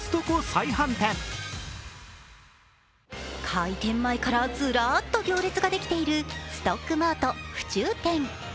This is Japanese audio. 開店前からずらっと行列ができているストックマート府中店。